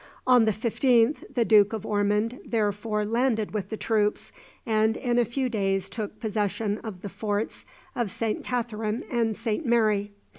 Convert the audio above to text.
On the 15th the Duke of Ormond therefore landed with the troops, and in a few days took possession of the forts of Saint Katharine and Saint Mary.